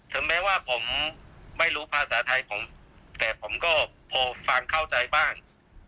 ถึงแม้ว่าผมไม่รู้ภาษาไทยผมแต่ผมก็พอฟังเข้าใจบ้าง